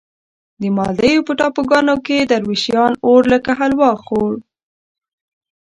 د مالدیو په ټاپوګانو کې دروېشان اور لکه حلوا خوړ.